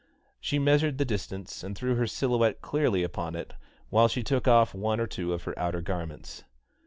She measured the distance, and threw her silhouette clearly upon it while she took off one or two of her outer garments.